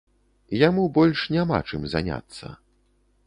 Яму больш няма чым заняцца.